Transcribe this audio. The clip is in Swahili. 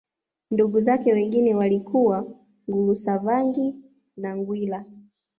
Ndugu zake wengine walikuwa Ngulusavangi na Ngwila